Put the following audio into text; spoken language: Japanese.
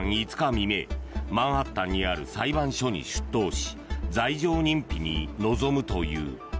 未明マンハッタンにある裁判所に出頭し罪状認否に臨むという。